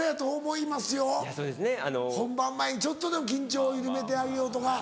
本番前にちょっとでも緊張緩めてあげようとか。